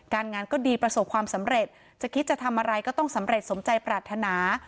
งานก็ดีประสบความสำเร็จจะคิดจะทำอะไรก็ต้องสำเร็จสมใจปรารถนา